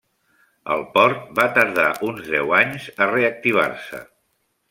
El port va tardar uns deu anys a reactivar-se.